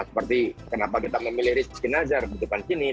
seperti kenapa kita memilih rizky nazar di depan sini